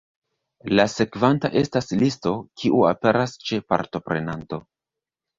La sekvanta estas listo, kiu aperas ĉe partoprenanto.